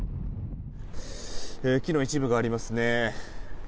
木の一部がありますね。